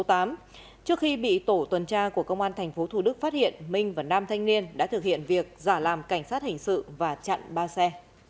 trước khi bị tổ tuần tra của công an tp thủ đức phát hiện minh và nam thanh niên đã thực hiện việc giả làm cảnh sát hình sự và chặn ba xe